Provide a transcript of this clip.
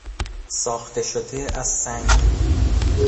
ساخته شده از سنگ